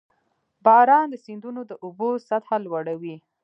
• باران د سیندونو د اوبو سطحه لوړوي.